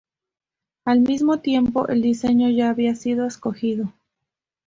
Al mismo tiempo, el diseño ya había sido escogido.